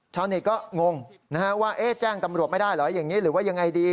ชาวเน็ตก็งงนะฮะว่าแจ้งตำรวจไม่ได้เหรออย่างนี้หรือว่ายังไงดี